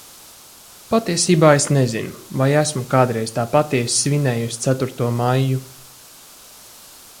Patiesībā es nezinu, vai esmu kādreiz tā patiesi svinējusi ceturto maiju.